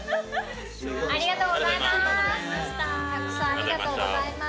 ありがとうございます。